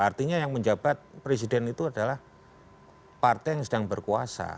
artinya yang menjabat presiden itu adalah partai yang sedang berkuasa